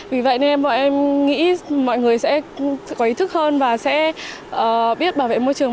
vì vậy nên em và em nghĩ mọi người sẽ có ý thức hơn và sẽ biết bảo vệ môi trường